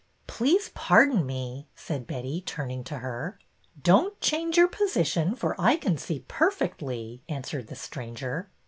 '' Please pardon me," said Betty, turning to her. '' Don't change your position, for I can see perfectly," answered the stranger.